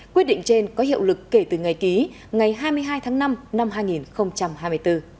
quyết định trên có hiệu lực kể từ ngày ký ngày hai mươi hai tháng năm năm hai nghìn hai mươi bốn